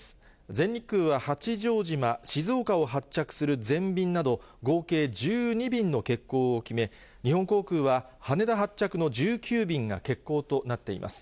全日空は八丈島、静岡を発着する全便など、合計１２便の欠航を決め、日本航空は、羽田発着の１９便が欠航となっています。